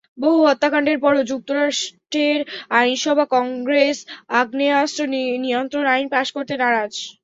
বহু হত্যাকাণ্ডের পরও যুক্তরাষ্ট্রের আইনসভা কংগ্রেস আগ্নেয়াস্ত্র নিয়ন্ত্রণ আইন পাস করতে নারাজ।